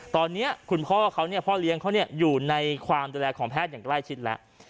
ตอนนี้คุณพ่อเขาเนี่ยพ่อเลี้ยงเขาอยู่ในความดูแลของแพทย์อย่างใกล้ชิดแล้ว